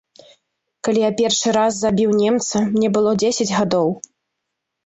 Калі я першы раз забіў немца, мне было дзесяць гадоў.